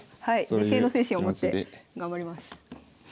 自省の精神を持って頑張ります。